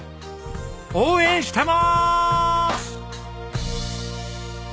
応援してまーす！